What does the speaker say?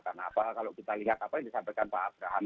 karena apa kalau kita lihat apa yang disampaikan pak abraham